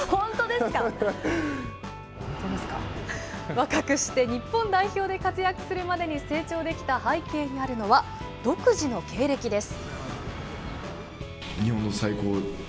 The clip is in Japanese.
若くして日本代表で活躍するまでに成長できた背景にあるのは、独自の経歴です。